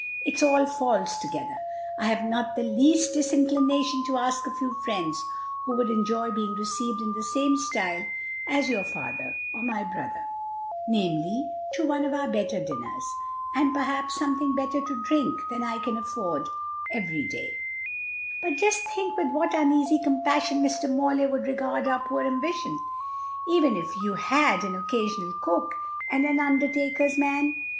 It's all false together. I have not the least disinclination to asking a few friends who would enjoy being received in the same style as your father or my brother; namely, to one of our better dinners, and perhaps something better to drink than I can afford every day; but just think with what uneasy compassion Mr. Morley would regard our poor ambitions, even if you had an occasional cook and an undertaker's man.